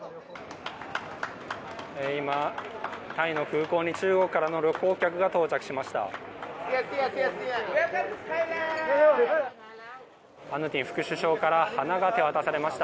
今、タイの空港に中国からの旅行客が到着しました。